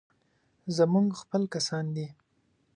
زموږ خپل کسان دي.